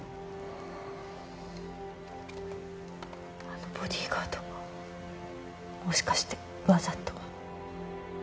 あのボディーガードもしかしてわざと？